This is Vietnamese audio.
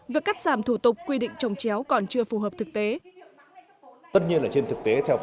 việc cắt giảm thủ tục quy định trồng chéo còn chưa phù hợp thực tế